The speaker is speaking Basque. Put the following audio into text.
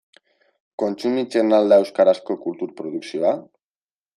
Kontsumitzen al da euskarazko kultur produkzioa?